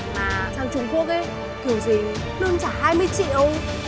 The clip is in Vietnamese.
mà sang trung quốc ấy kiểu gì đương trả hai mươi triệu